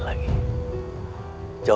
atau aku musnahkan kamu